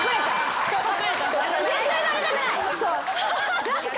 絶対バレたくない！